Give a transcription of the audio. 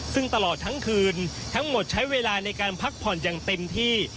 ซึ่งตลอดทั้งคืนทั้งหมดใช้เวลาในการพักผ่อนอย่างเต็มที่